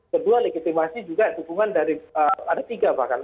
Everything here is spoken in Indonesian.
kedua legitimasi juga dukungan dari ada tiga bahkan